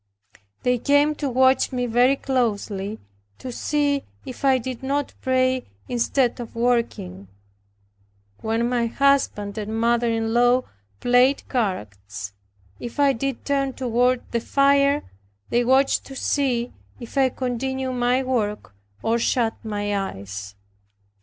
They came to watch me very closely, to see if I did not pray instead of working. When my husband and mother in law played cards, if I did turn toward the fire, they watched to see if I continued my work or shut my eyes.